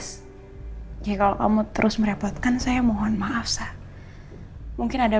nasihat apa sih jazz ya kalau kamu terus merepotkan saya mohon maaf mungkin ada